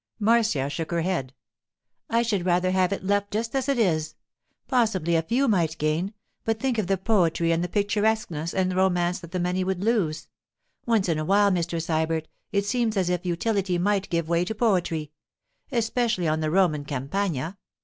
Marcia shook her head. 'I should rather have it left just as it is. Possibly a few might gain, but think of the poetry and picturesqueness and romance that the many would lose! Once in a while, Mr. Sybert, it seems as if utility might give way to poetry—especially on the Roman Campagna.